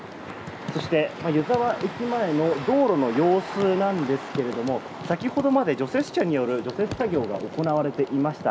そして、湯沢駅前の道路の様子なんですが先ほどまで除雪車による除雪作業が行われていました。